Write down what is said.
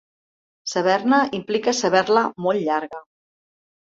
Saber-ne implica saber-la molt llarga.